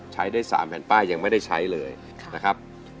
ใช้ได้๓แผ่นป้ายยังไม่ได้ใช้เลยนะครับ